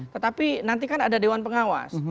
tetapi nanti kan ada dewan pengawas